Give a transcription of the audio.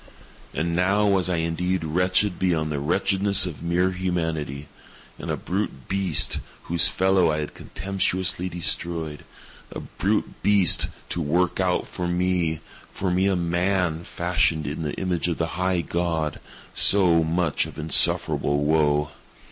And now was I indeed wretched beyond the wretchedness of mere Humanity. And _a brute beast _—whose fellow I had contemptuously destroyed—a brute beast to work out for me—for me a man, fashioned in the image of the High God—so much of insufferable woe!